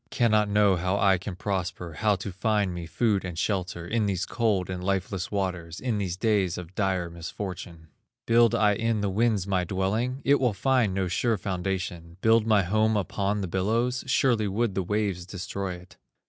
Cannot know how I can prosper, How to find me food and shelter, In these cold and lifeless waters, In these days of dire misfortune. Build I in the winds my dwelling? It will find no sure foundation. Build my home upon the billows? Surely would the waves destroy it."